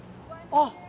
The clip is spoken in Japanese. あっ。